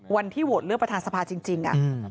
วันที่โหวตเลือกประธานสภาจริง